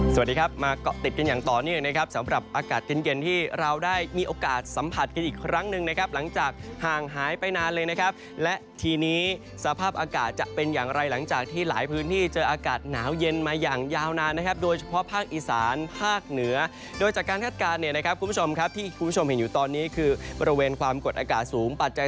สวัสดีครับมาเกาะติดกันอย่างตอนนี้นะครับสำหรับอากาศเย็นเย็นที่เราได้มีโอกาสสัมผัสกันอีกครั้งหนึ่งนะครับหลังจากห่างหายไปนานเลยนะครับและทีนี้สภาพอากาศจะเป็นอย่างไรหลังจากที่หลายพื้นที่เจออากาศหนาวเย็นมาอย่างยาวนานนะครับโดยเฉพาะภาคอีสานภาคเหนือโดยจากการคัดการณ์เนี้ยนะครับคุณ